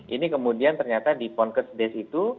ini kemudian ternyata di ponkes des itu